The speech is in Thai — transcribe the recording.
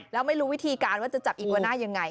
แล้วไม่รู้วิธีการว่าจะจับอีกวาหน้ายังไง